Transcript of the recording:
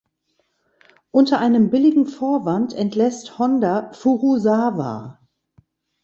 Unter einem „billigen Vorwand“ entlässt Honda Furusawa.